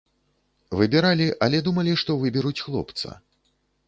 Выбіралі, але думалі, што выберуць хлопца.